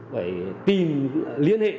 phải tìm liên hệ